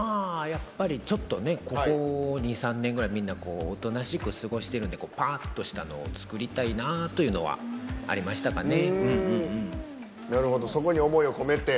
ちょっとここ２３年ぐらいみんなおとなしく過ごしてるのでぱーっとしたのを作りたいなというのはありましたかね。